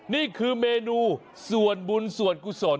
นี่คือเมนูส่วนบุญส่วนกุศล